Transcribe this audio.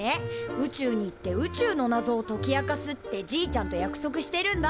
宇宙に行って宇宙のなぞを解き明かすってじいちゃんと約束してるんだ！